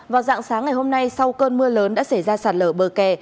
vào dạng sáng ngày hôm nay sau cơn mưa lớn đã xảy ra sạt lở bờ kè